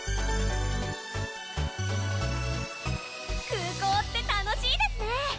空港って楽しいですね！